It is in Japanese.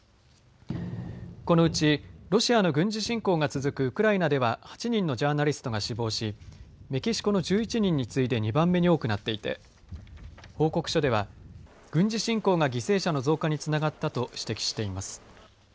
このうちロシアの軍事侵攻が続くウクライナでは８人のジャーナリストが死亡しメキシコの１１人に次いで２番目に多くなっいて報告書では、軍事侵攻が犠牲者の増加につながったと指摘しています。